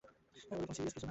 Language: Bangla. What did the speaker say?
ওরকম সিরিয়াস কিছু না!